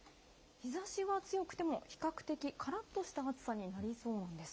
日ざしは強くても、比較的からっとした暑さになりそうなんです。